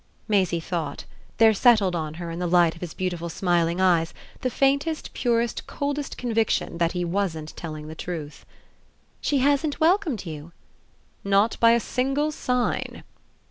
Maisie thought: there settled on her, in the light of his beautiful smiling eyes, the faintest purest coldest conviction that he wasn't telling the truth. "She hasn't welcomed you?" "Not by a single sign."